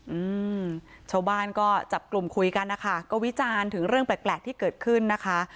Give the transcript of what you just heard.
อืมชาวบ้านก็จับกลุ่มคุยกันนะคะก็วิจารณ์ถึงเรื่องแปลกแปลกที่เกิดขึ้นนะคะ